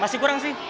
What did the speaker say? masih kurang sih